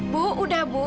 bu udah bu